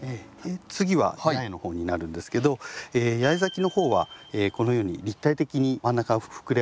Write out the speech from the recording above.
次は八重の方になるんですけど八重咲きの方はこのように立体的に真ん中が膨れ上がってるので。